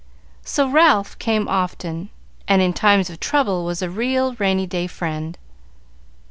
So Ralph came often, and in times of trouble was a real rainy day friend.